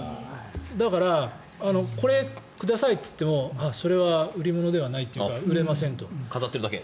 だからこれくださいって言ってもそれは売り物ではないというか売れませんと。